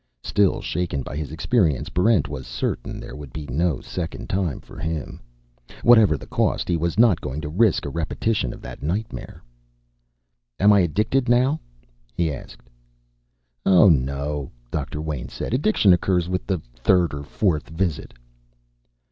Still shaken by his experience, Barrent was certain there would be no second time for him. Whatever the cost, he was not going to risk a repetition of that nightmare. "Am I addicted now?" he asked. "Oh, no," Doctor Wayn said. "Addiction occurs with the third or fourth visit."